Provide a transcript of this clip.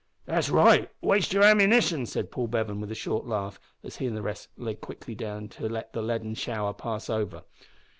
"That's right waste yer ammunition," said Paul Bevan, with a short laugh, as he and the rest lay quickly down to let the leaden shower pass over.